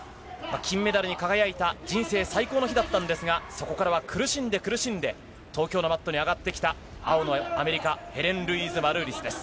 金メダルに輝いた人生最高の日だったんですが、そこからは苦しんで苦しんで、東京のマットに上がってきた青のアメリカ、ヘレンルイーズ・マルーリスです。